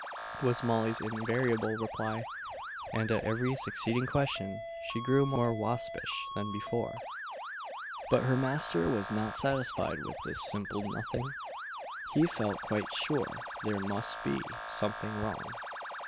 was Molly's invariable reply; and at every succeeding question she grew more waspish than before. But her master was not satisfied with this simple nothing he felt quite sure there must be something wrong.